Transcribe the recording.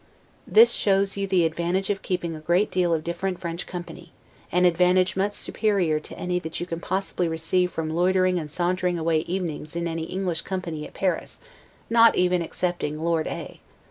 This shows you the advantage of keeping a great deal of different French company; an advantage much superior to any that you can possibly receive from loitering and sauntering away evenings in any English company at Paris, not even excepting Lord A